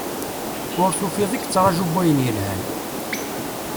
Ur tufiḍ i yettraju n wayen yelhan